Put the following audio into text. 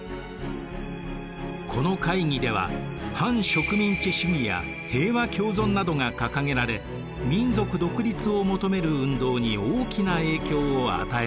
この会議では反植民地主義や平和共存などが掲げられ民族独立を求める運動に大きな影響を与えました。